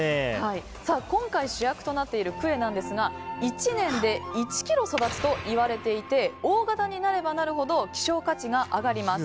今回、主役となっているクエなんですが１年で１ｋｇ育つといわれていて大型になればなるほど希少価値が上がります。